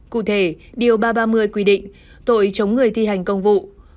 cụ thể điều ba trăm ba mươi quy định tội chống người thi hành công vụ